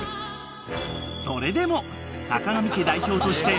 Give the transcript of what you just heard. ［それでも坂上家代表として］